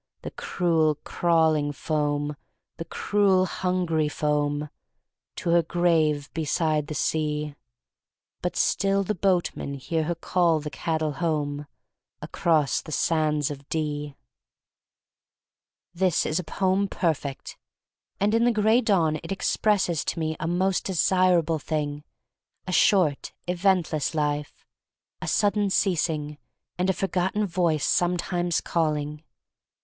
The cruel, crawling foam. The cruel, hungry foam. To her grave beside the sea; But still the boatmen hear her call the cattle home Across the sands of Dee.'* 178 THE STORY OF MARY MAC LANE This IS a poem perfect. And in the Gray Dawn it expresses to me a most desirable thing — a short, eventless life, a sudden ceasing, and a forgotten voice sometimes calling.